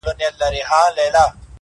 ملالۍ دغه غیرت وو ستا د وروڼو؟٫